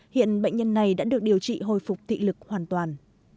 hiện bệnh nhân này đã được điều trị hồi phục thị lực hoàn toàn